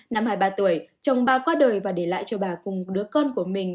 năm hai mươi ba tuổi chồng bà qua đời và để lại cho bà cùng một đứa con của mình